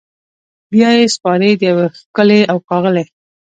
بیا یې سپاري د یو ښکلي اوښاغلي